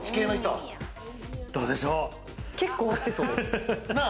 どうでしょう。